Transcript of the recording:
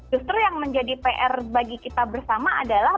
justru yang menjadi pr bagi kita bersama adalah